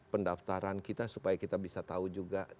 pendaftaran kita supaya kita bisa tahu juga